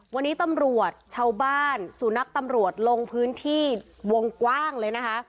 วันนี้ตำรวจชาวบ้านสูนักตำรวจลงพื้นที่วงกว้างเลยนะคะ